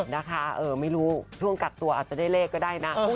นะคะไม่รู้ช่วงกักตัวอาจจะได้เลขก็ได้นะ